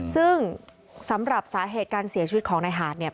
ซึ่งสำหรับสาเหตุการเสียชีวิตของนายหาดเนี่ย